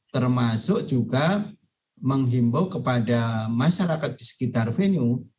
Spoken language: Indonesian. termasuk juga menghimbau kepada masyarakat di sekitar venue